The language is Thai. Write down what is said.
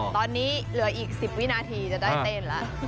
ตอนนี้เหลืออีก๑๐วินาทีจะได้เต้นแล้ว